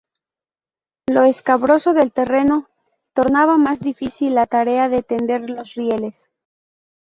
Lo escabroso del terreno tornaba más difícil la tarea de tender los rieles.